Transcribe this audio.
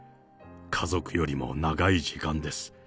家族よりも長い時間です。